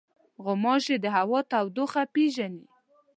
غوماشې د هوا تودوخه پېژني.